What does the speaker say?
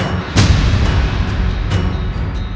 biarkan aku yang menggantungmu